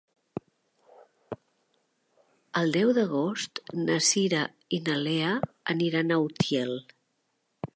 El deu d'agost na Cira i na Lea aniran a Utiel.